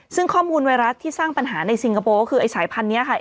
ซึ่งข้อมูลไวรัสที่สร้างปัญหาในซิงคโปร์ก็คือไอ้สายพันธุ์นี้ค่ะ